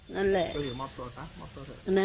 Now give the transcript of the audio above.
นั่นไหละ